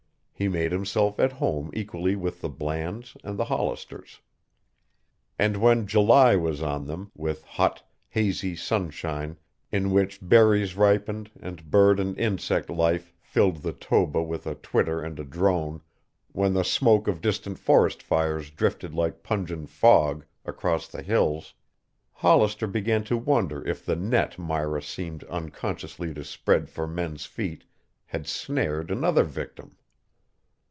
He made himself at home equally with the Blands and the Hollisters. And when July was on them, with hot, hazy sunshine in which berries ripened and bird and insect life filled the Toba with a twitter and a drone, when the smoke of distant forest fires drifted like pungent fog across the hills, Hollister began to wonder if the net Myra seemed unconsciously to spread for men's feet had snared another victim.